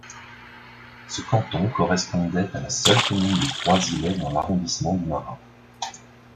Ce canton correspondait à la seule commune des Trois-Îlets dans l'arrondissement du Marin.